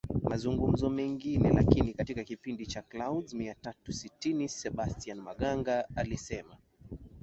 mazungumzo mengine Lakini katika kipindi cha Clouds mia tatu sitini Sebastian Maganga alisema